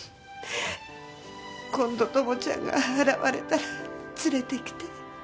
今度ともちゃんが現れたら連れてきて。